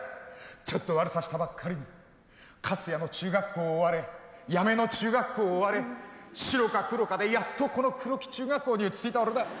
ちょっと悪さしたばっかりに粕屋の中学校を追われ八女の中学校を追われ白か黒かでやっとこの黒木中学校に落ちついた俺だ。